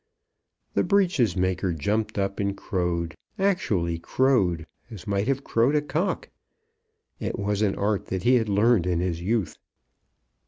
The breeches maker jumped up and crowed, actually crowed, as might have crowed a cock. It was an art that he had learned in his youth.